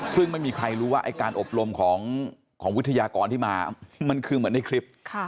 ซึ่งไม่มีใครรู้ว่าไอ้การอบรมของวิทยากรที่มามันคือเหมือนในคลิป